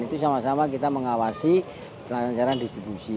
itu sama sama kita mengawasi cara cara distribusi